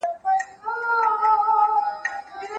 تاريخي اثار بايد وساتل سي.